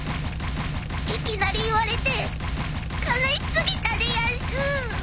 いきなり言われて悲しすぎたでやんす。